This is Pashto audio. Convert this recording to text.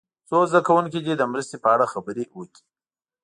څو زده کوونکي دې د مرستې په اړه خبرې وکړي.